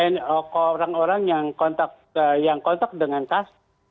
nah kalau orang orang yang kontak dengan kasus